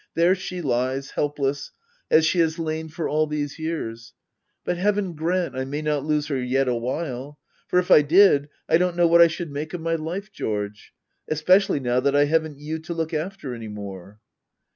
There she lies, helpless, as she has lain for all these years. But heaven grant I may not lose her yet awhile ! For if I did, I don't know what I should make of my life, George — especially now that I haven't you to look after any more.